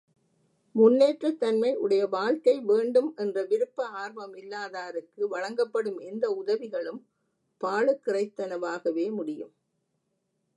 முன்னேற்றத்தன்மை உடைய வாழ்க்கை வேண்டும் என்ற விருப்ப ஆர்வம் இல்லாதாருக்கு வழங்கப்படும் எந்த உதவிகளும் பாழுக்கிறைத்தன வாகவே முடியும்.